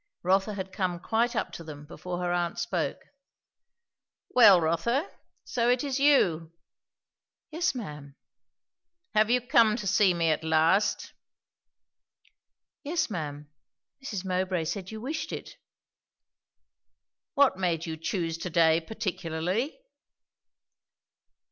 Rotha had come quite up to them before her aunt spoke. "Well, Rotha, so it is you?" "Yes, ma'am." "Have you come to see me at last?" "Yes, ma'am. Mrs. Mowbray said you wished it." "What made you choose to day particularly?"